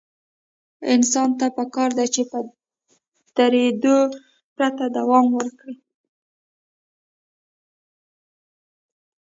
انسان ته پکار ده چې په درېدو پرته دوام ورکړي.